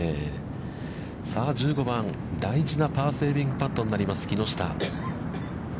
さあ１５番、大事なバーセービングパットになります、木下。